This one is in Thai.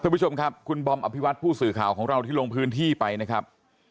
คุณผู้ชมครับคุณบอมอภิวัตผู้สื่อข่าวของเราที่ลงพื้นที่ไปนะครับ